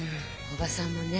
おばさんもね